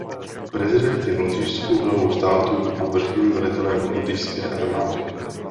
Prezident je v Lotyšsku hlavou státu a vrchním velitelem Lotyšské armády.